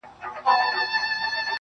• زما مرور فکر به څه لفظونه وشرنگوي.